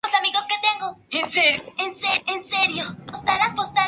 Alternó sus funciones forenses con el ejercicio de la poesía.